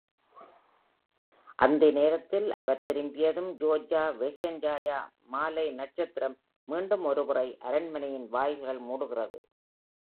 அந்தி நேரத்தில், அவர் திரும்பியதும் ஜோர்யா வெச்சர்ன்யாயா- மாலை நட்சத்திரம்-மீண்டும் ஒருமுறை அரண்மனையின் வாயில்கள் மூடுகிறது.